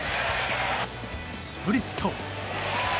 スプリット。